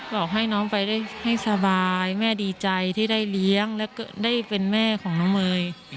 บอกให้น้องไปได้ให้สบายแม่ดีใจที่ได้เลี้ยงแล้วก็ได้เป็นแม่ของน้องเมย์